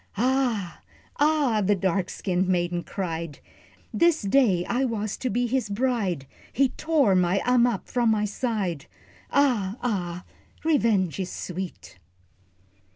"Ah, ah," the dark skinned maiden cried, "This day I was to be his bride, He tore my Ammap from my side, Ah, ah, revenge is sweet."